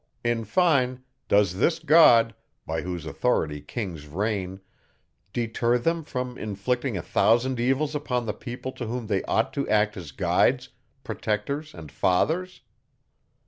In fine, does this God, by whose authority kings reign, deter them from inflicting a thousand evils upon the people to whom they ought to act as guides, protectors, and fathers?